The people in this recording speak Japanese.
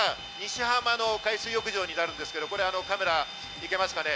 西浜の海水浴場になるんですけど、カメラ行けますかね？